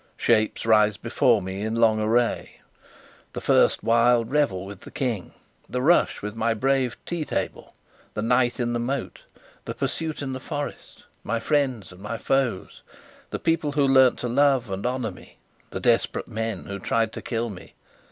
Shapes rise before me in long array the wild first revel with the King, the rush with my brave tea table, the night in the moat, the pursuit in the forest: my friends and my foes, the people who learnt to love and honour me, the desperate men who tried to kill me.